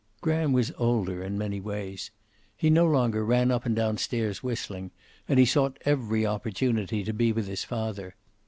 Graham was older, in many ways. He no longer ran up and down the stairs whistling, and he sought every opportunity to be with his father.